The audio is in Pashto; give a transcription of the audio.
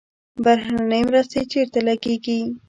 بهرنۍ مرستې چیرته لګیږي؟